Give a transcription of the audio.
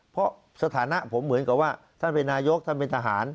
เพราะสถานะผมเหมือนกับว่าท่านเป็นนายกท่านเป็นทหาร